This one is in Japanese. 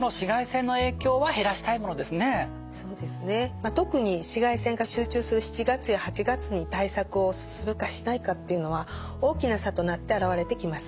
まあ特に紫外線が集中する７月や８月に対策をするかしないかっていうのは大きな差となって現れてきます。